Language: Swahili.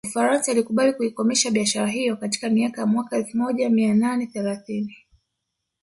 Ufaransa ilikubali kuikomesha biashara hiyo katika miaka ya mwaka elfu moja mia nane thelathini